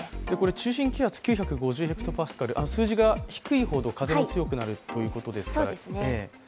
中心気圧９５０ｈＰａ、数字が低いほど風が強くなるということですよね。